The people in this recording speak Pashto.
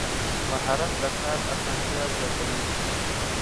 مهارت د کار اسانتیا زیاتوي.